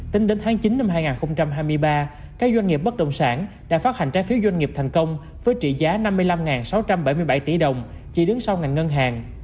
tính đến tháng chín năm hai nghìn hai mươi ba các doanh nghiệp bất động sản đã phát hành trái phiếu doanh nghiệp thành công với trị giá năm mươi năm sáu trăm bảy mươi bảy tỷ đồng chỉ đứng sau ngành ngân hàng